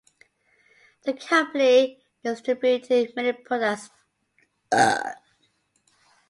The company distributed many products.